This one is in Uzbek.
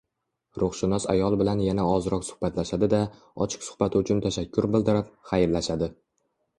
Ruhshunos ayol bilan yana ozroq suhbatlashadi-da, ochiq suhbati uchun tashakkur bildirib, xayrlashadi